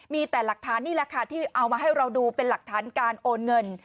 มีแต่หลักฐานนี่แหละค่ะที่เอามาให้เราดูเป็นหลักฐานการโอนเงิน